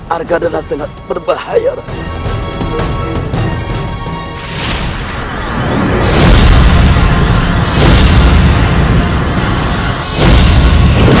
argadana sangat berbahaya raden